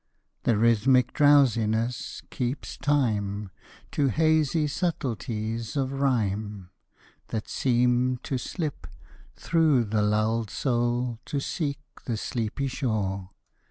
The rhythmic drowsiness keeps time To hazy subtleties of rhyme That seem to slip Through the lulled soul to seek the sleepy shore.